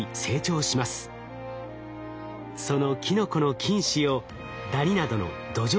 そのキノコの菌糸をダニなどの土壌